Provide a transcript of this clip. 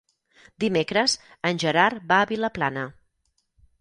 Dimecres en Gerard va a Vilaplana.